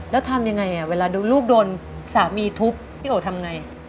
แล้วทำยังไงเวลาดูลูกโดนสามีทุบพี่โอ๋ทำไง